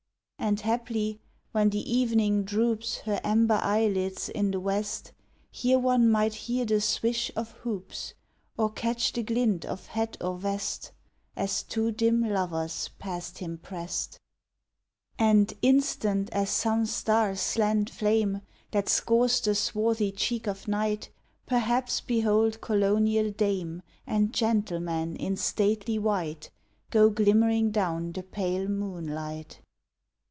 And, haply, when the evening droops Her amber eyelids in the west, Here one might hear the swish of hoops, Or catch the glint of hat or vest, As two dim lovers past him pressed. And, instant as some star's slant flame, That scores the swarthy cheek of night, Perhaps behold Colonial dame And gentleman in stately white Go glimmering down the pale moonlight.